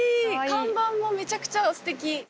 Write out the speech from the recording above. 看板もめちゃくちゃステキ！